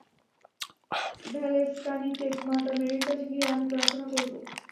ভেলঙ্কানিতে মাতা মেরির কাছে গিয়ে আমি প্রার্থনা করব।